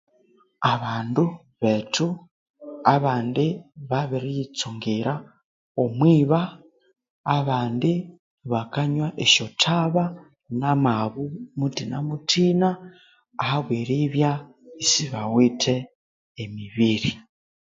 Abandu bethu abandi babiriyitsungira omwiba, abandi bakanwa esyathaba, namabu muthina muthina